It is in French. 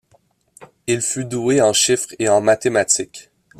Il fut doué en chiffres et en mathématiques.